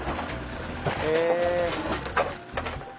へぇ。